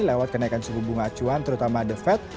lewat kenaikan suku bunga acuan terutama the fed